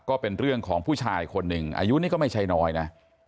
ก็เป็นเรื่องของผู้ชายคนหนึ่งอายุนี่ก็ไม่ใช่น้อยนะ